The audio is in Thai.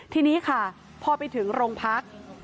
ทีนี้ค่ะพอไปถึงโรงพัก